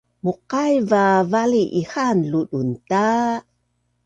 Muqaivin a vali ihaan ludun ta